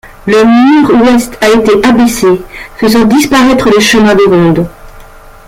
Le mur ouest a été abaissé, faisant disparaître le chemin de ronde.